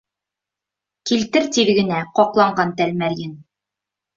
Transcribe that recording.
Килтер тиҙ генә ҡаҡланган тәлмәрйен!